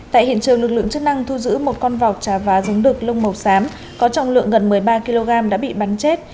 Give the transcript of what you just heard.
tại hiện trường lực lượng chức năng thu giữ một con vọc trà vá giống đực lông màu xám có trọng lượng gần một mươi ba kg đã bị bắn chết